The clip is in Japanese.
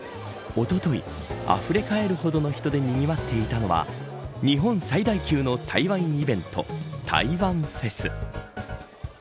おととい、あふれ返るほどの人でにぎわっていたのは日本最大級の台湾イベント台湾フェス。